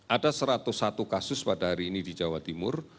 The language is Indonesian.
ada satu ratus satu kasus pada hari ini di jawa timur